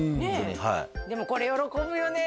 はいでもこれ喜ぶよね